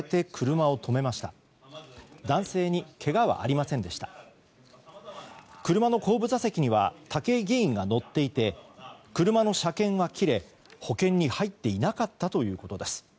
車の後部座席には武井議員が乗っていて車の車検は切れ保険に入っていなかったということです。